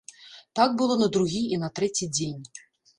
Так было на другі і на трэці дзень.